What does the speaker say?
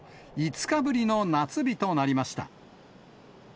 ５日ぶりの夏日となりました。